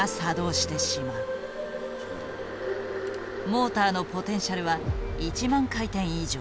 モーターのポテンシャルは１万回転以上。